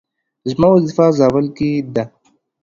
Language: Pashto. زما وظيفه زابل ولايت کي ده